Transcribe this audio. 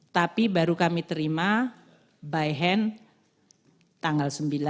tapi baru kami terima by hand tanggal sembilan